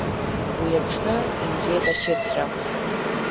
Уи аҽны инҵәеит ашьыцра…